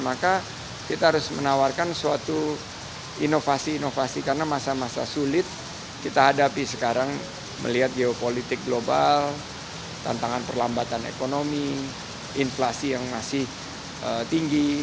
maka kita harus menawarkan suatu inovasi inovasi karena masa masa sulit kita hadapi sekarang melihat geopolitik global tantangan perlambatan ekonomi inflasi yang masih tinggi